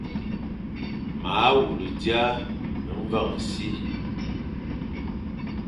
Ma wule dia mveñ e si,